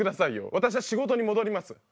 私は仕事に戻ります。